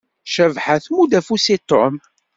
Cabḥa tmudd afus i Tom.